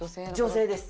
女性です。